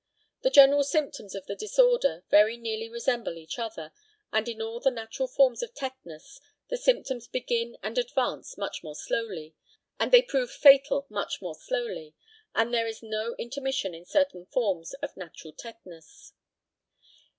The general symptoms of the disorder very nearly resemble each other, and in all the natural forms of tetanus the symptoms begin and advance much more slowly, and they prove fatal much more slowly, and there is no intermission in certain forms of natural tetanus.